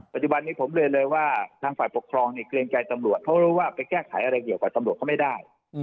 ปัจจุบันนี้ผมเรียนเลยว่าทางฝ่ายปกครองเนี่ยเกรงใจตำรวจเพราะรู้ว่าไปแก้ไขอะไรเกี่ยวกับตำรวจเขาไม่ได้